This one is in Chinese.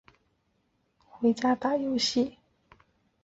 我弟又闹着要回家打游戏。